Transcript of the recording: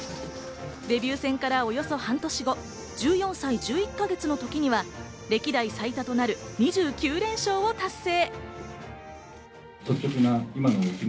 デビュー戦から、およそ半年後、１４歳１１か月の時には歴代最多となる２９連勝を達成。